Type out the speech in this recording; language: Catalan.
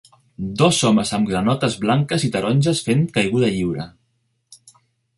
Dos homes amb granotes blanques i taronges fent caiguda lliure.